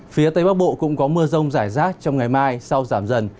phía tây bắc bộ cũng có mưa rông rải rác trong ngày mai sau giảm dần